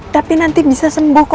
tapi nanti bisa sembuh kok mas